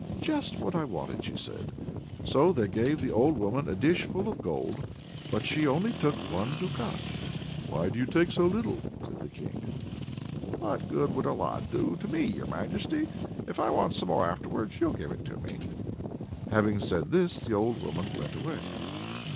"Just what I wanted," she said. So they gave the old woman a dish full of gold, but she took only one ducat. "Why do you take so little?" said the king. "What good would a lot do me, your Majesty? if I want some more afterwards, you'll give it me." Having said this the old woman went away.